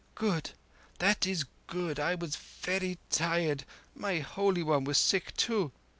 "Good. That is good. I was very tired. My Holy One was sick, too.